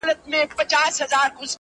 يمه دي غلام سترگي راواړوه